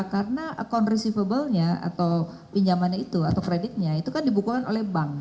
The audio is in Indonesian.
karena account receivable nya atau pinjamannya itu atau kreditnya itu kan dibukakan oleh bank